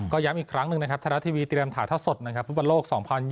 ก็ย้ำอีกครั้งหนึ่งธนาทีวีเตรียมถ่ายท่าสดฟุตบันโลก๒๐๑๖